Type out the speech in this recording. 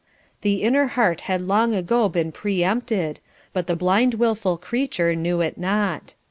The inner heart had long ago been pre empted, but the blind wilful creature knew it not.